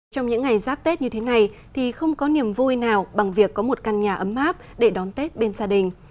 trong những ngày giáp tết như thế này thì không có niềm vui nào bằng việc có một căn nhà ấm áp để đón tết bên gia đình